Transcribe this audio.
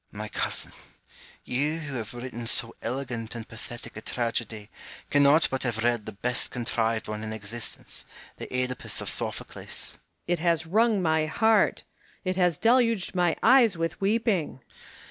My cousin, you who have written so elegant and VA VID HUME AND JOHN HOME. 231 pathetic a tragedy, cannot but have read the best contrived one in existence, the CEdipus of Sophocles. Home. It has wrung my heart ; it has deluged my eyes with weeping.